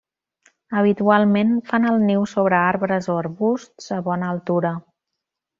Habitualment fan el niu sobre arbres o arbusts, a bona altura.